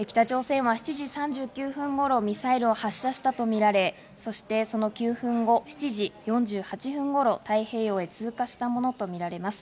北朝鮮は７時３９分頃、ミサイルを発射したとみられ、そしてその９分後、７時４８分頃、太平洋へ通過したものとみられます。